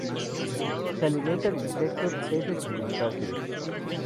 Se alimenta de insectos, peces y crustáceos.